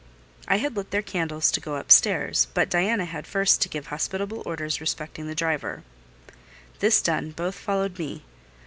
I had lit their candles to go upstairs, but Diana had first to give hospitable orders respecting the driver; this done, both followed me.